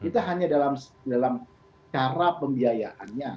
kita hanya dalam cara pembiayaannya